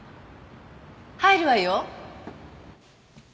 入るわよ。